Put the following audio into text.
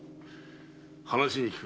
話に聞く